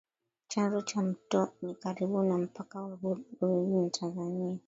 Chanzo cha mto ni karibu na mpaka wa Burundi na Tanzania